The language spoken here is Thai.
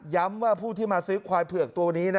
ว่าผู้ที่มาซื้อควายเผือกตัวนี้